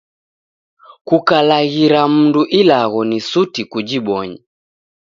Kukalaghira mndu ilagho ni suti kujibonye.